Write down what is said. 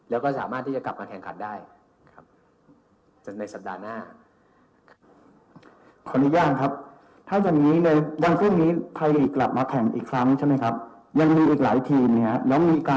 แล้วก็สามารถที่จะกลับมาแข่งขันได้ครับจนในสัปดาห์หน้า